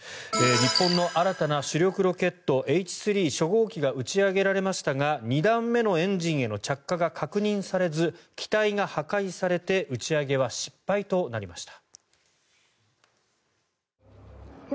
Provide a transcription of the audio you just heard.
日本の新たな主力ロケットＨ３初号機が打ち上げられましたが２段目のエンジンへの着火が確認されず機体が破壊されて打ち上げは失敗となりました。